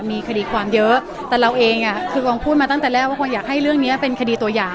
มีคดีความเยอะแต่เราเองอ่ะคือกองพูดมาตั้งแต่แรกว่าคงอยากให้เรื่องนี้เป็นคดีตัวอย่าง